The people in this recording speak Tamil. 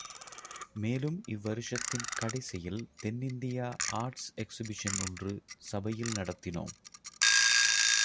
மேலும் இவ்வருஷத்தின் கடைசியில் தென் இந்தியா ஆர்ட்ஸ் எக்சிபிஷன் ஒன்று சபையில் நடத்தினோம்.